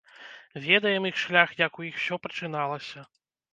Ведаем іх шлях, як у іх усё пачыналася.